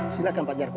silakan pak jarko